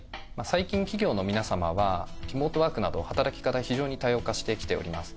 最近企業の皆様はリモートワークなど働き方が非常に多様化してきております。